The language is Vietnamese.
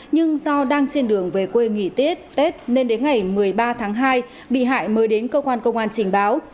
nhưng do đang trên đường về quê nghỉ tết nên đến ngày một mươi ba tháng hai bị hại mới đến cơ quan công an trình báo